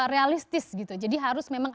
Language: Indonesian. realistis gitu jadi harus memang